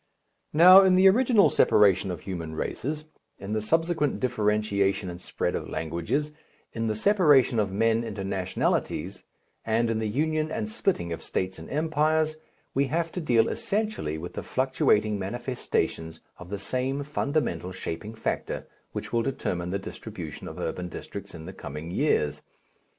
Now, in the original separation of human races, in the subsequent differentiation and spread of languages, in the separation of men into nationalities, and in the union and splitting of states and empires, we have to deal essentially with the fluctuating manifestations of the same fundamental shaping factor which will determine the distribution of urban districts in the coming years.